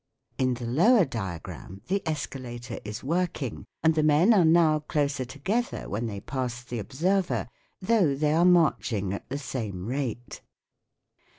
In the lower diagram the escalator is working, and the men are now closer together when they pass the observer, though they are marching at the same rate.